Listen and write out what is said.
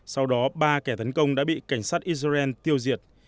sau đó ba kẻ tấn công đã bị cảnh sát israel tiêu diệt